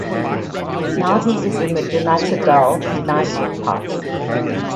Now He is in the Janata Dal (United) Party.